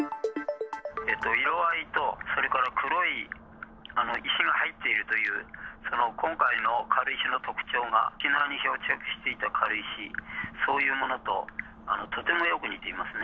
色合いとそれから黒い石が入っているという、その今回の軽石の特徴が、沖縄に漂着していた軽石、そういうものととてもよく似ていますね。